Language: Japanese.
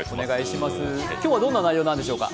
今日はどんな内容なんでしょうか。